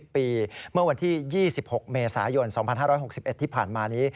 ปีเมื่อวันที่๒๖เมษายน๒๕๖๑ที่ผ่านมานี้